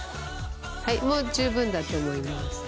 はいもう十分だと思います。